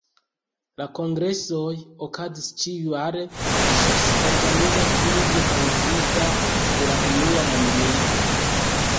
La kongresoj okazis ĉiujare ĝis organiza krizo kaŭzita de la Unua mondmilito.